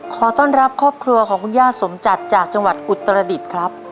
ขอต้อนรับครอบครัวของคุณย่าสมจัดจากจังหวัดอุตรดิษฐ์ครับ